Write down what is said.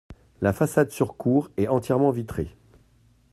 La façade sur cour est entièrement vitrée.